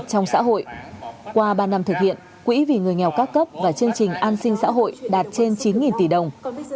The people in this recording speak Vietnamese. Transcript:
trong xã hội qua ba năm thực hiện quỹ vì người nghèo các cấp và chương trình an sinh xã hội đạt trên chín tỷ đồng